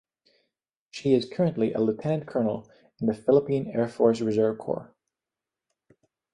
She is currently a Lieutenant Colonel in the Philippine Air Force Reserve Corps.